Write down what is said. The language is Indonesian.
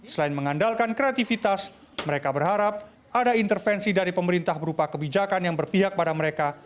selain mengandalkan kreativitas mereka berharap ada intervensi dari pemerintah berupa kebijakan yang berpihak pada mereka